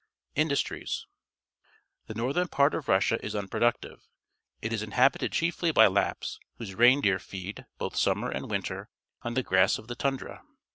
Industries. — The northern part of Russia is unproductive. It is inhabited chiefly by Lapp s, whose reindeer feed, both summer and winter, on the grass of the tundra.